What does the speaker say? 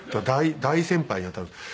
大先輩に当たるんです。